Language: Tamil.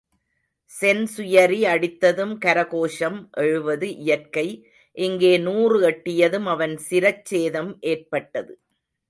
சென்சுயரி அடித்ததும் கர கோஷம் எழுவது இயற்கை இங்கே நூறு எட்டியதும் அவன் சிரச்சேதம் ஏற்பட்டது.